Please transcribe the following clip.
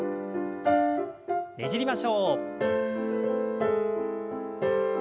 ねじりましょう。